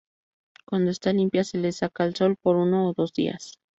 Cuando está limpia se la seca al sol por uno o dos días.